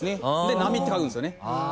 で「波」って書くんですよね。